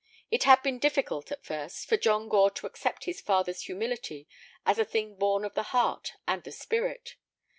It had been difficult, at first, for John Gore to accept his father's humility as a thing born of the heart and the spirit.